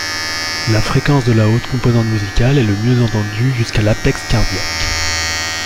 La fréquence de la haute composante musicale est le mieux entendu jusqu'à l'apex cardiaque.